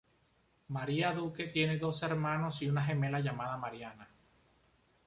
María Duque tiene dos hermanos y una gemela llamada Mariana.